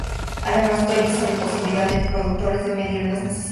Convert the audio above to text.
Además teoriza la imposibilidad de los productores de medir las necesidades del mercado.